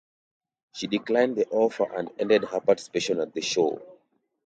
She declined the offer and ended her participation at the show.